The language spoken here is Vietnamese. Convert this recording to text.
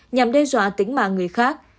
nhằm đe dọa tính mạng người khác